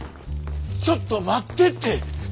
ちょっと待ってって！